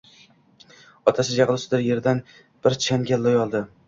Otasi jahl ustida yerdan bir changal loy oldi.